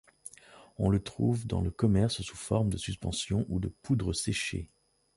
On le trouve dans le commerce sous forme de suspension ou de poudre séchée.